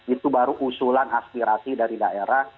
itu baru usulan aspirasi dari daerah